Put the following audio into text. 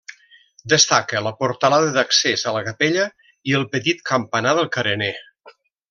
Destaca la portalada d'accés a la capella i el petit campanar del carener.